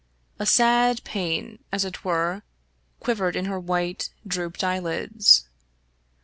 A sad pain, as it were, quivered in her white, drooped eyelids.